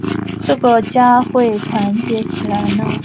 这个家会团结起来呢？